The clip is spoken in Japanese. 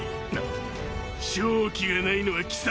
勝機がないのは貴様の方だ。